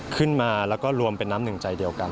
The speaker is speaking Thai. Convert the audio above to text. ขึ้นมาแล้วก็รวมเป็นน้ำหนึ่งใจเดียวกัน